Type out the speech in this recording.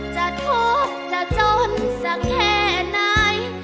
จะทุกข์จะจนสักแค่ไหน